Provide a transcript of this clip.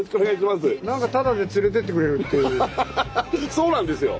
そうなんですよ。